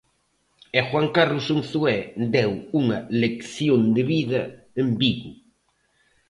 E Juan Carlos Unzué deu unha lección de vida en Vigo.